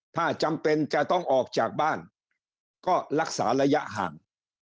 ถ้าจำเป็นจะต้องออกจากบ้านก็รักษาระยะห่าง